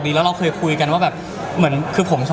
แต่จะรื่องถึงกณิต